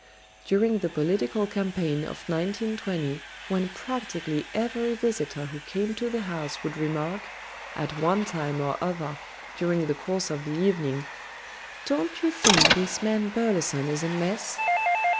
During the political campaign of 1920, when practically every visitor who came to the house would remark, at one time or other during the course of the evening, "Don't you think this man Burleson is a mess?"